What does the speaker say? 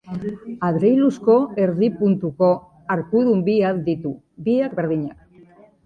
Adreiluzko erdi-puntuko arkudun bi at ditu, biak berdinak.